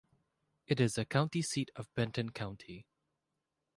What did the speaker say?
It is the county seat of Benton County.